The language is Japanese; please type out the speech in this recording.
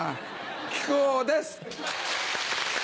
木久扇です！